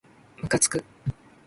むかつく